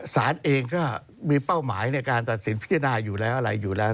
สารเองก็มีเป้าหมายในการตัดสินพิจารณาอยู่แล้วอะไรอยู่แล้ว